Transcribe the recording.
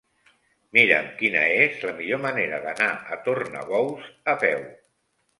Mira'm quina és la millor manera d'anar a Tornabous a peu.